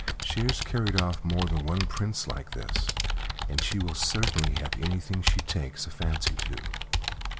She has carried off more than one Prince like this, and she will certainly have anything she takes a fancy to."